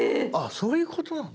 ⁉そういうことなの？